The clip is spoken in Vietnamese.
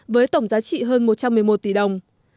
với tổng giá trị hơn một trăm một mươi một tỷ đồng